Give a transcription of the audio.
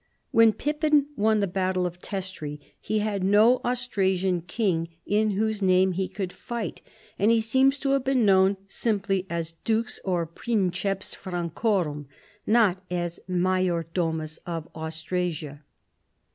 When Pippin won the battle of Testri he had no Austrasian king in Avhose name he could fight, and he seems to have been known sim ply as Dux or Princej^s Francorum^ not as Major Domus of Austrasia.